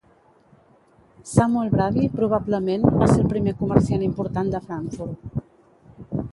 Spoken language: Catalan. Samuel Brady, probablement, va ser el primer comerciant important de Frankfurt.